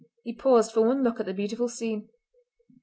He paused for one look at the beautiful scene.